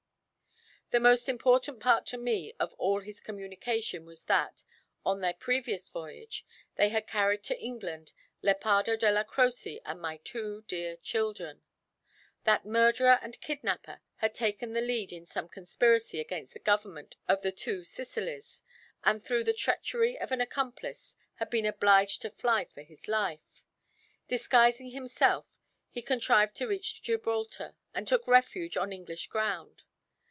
The most important part to me of all his communication was that, on their previous voyage, they had carried to England Lepardo Della Croce and my two dear children. That murderer and kidnapper had taken the lead in some conspiracy against the government of the Two Sicilies, and through the treachery of an accomplice had been obliged to fly for his life. Disguising himself he contrived to reach Gibraltar, and took refuge on English ground.